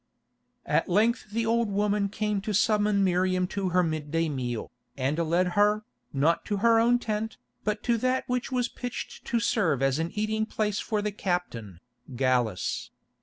At length the old woman came to summon Miriam to her midday meal, and led her, not to her own tent, but to that which was pitched to serve as an eating place for the captain, Gallus.